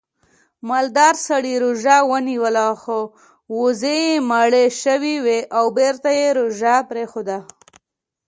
مالدار سړي روژه ونیوله خو وزې یې مړې شوې او بېرته یې روژه پرېښوده